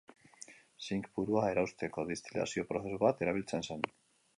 Zink purua erauzteko destilazio prozesu bat erabiltzen zen.